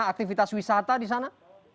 aktivitas wisata di sana